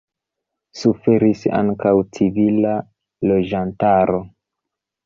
Suferis ankaŭ civila loĝantaro.